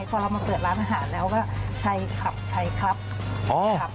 พอเรามาเปิดร้านอาหารแล้วก็ชัยครับชัยครับครับ